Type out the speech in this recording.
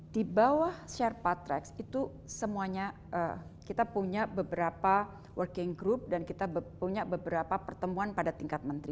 di bawah share patrick itu semuanya kita punya beberapa working group dan kita punya beberapa pertemuan pada tingkat menteri